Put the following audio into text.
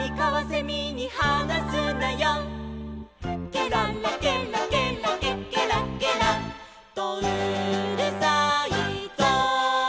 「ケララケラケラケケラケラとうるさいぞ」